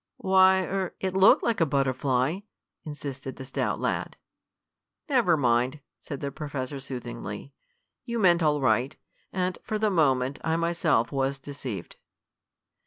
"Why er it looked like a butterfly!" insisted the stout lad. "Never mind," said the professor soothingly. "You meant all right, and, for the moment, I myself was deceived."